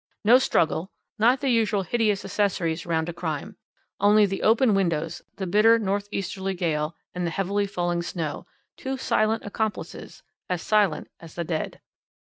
"No struggle, not the usual hideous accessories round a crime. Only the open windows, the bitter north easterly gale, and the heavily falling snow two silent accomplices, as silent as the dead.